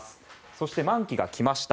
そして、満期が来ました。